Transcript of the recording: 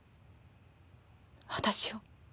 私を。